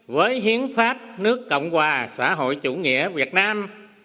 với hiến pháp nước cộng hòa xã hội chủ nghĩa việt nam